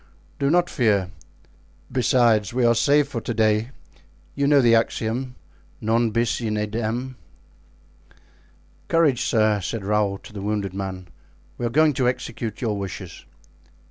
"Do not fear. Besides, we are safe for to day; you know the axiom, 'Non bis in idem.'" "Courage, sir," said Raoul to the wounded man. "We are going to execute your wishes."